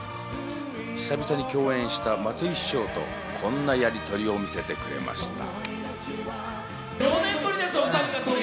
久々に共演した松井市長と、こんなやりとりを見せてくれました。